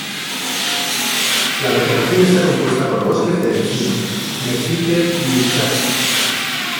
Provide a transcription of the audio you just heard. La vegetación está compuesta por bosques de encino, mezquite y huizache.